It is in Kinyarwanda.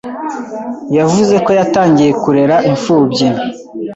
yavuze ko yatangiye kurera imfubyi